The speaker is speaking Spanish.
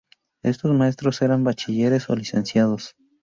Estos maestros eran bachilleres o licenciados.